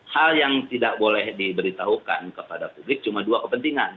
hal yang tidak boleh diberitahukan kepada publik cuma dua kepentingan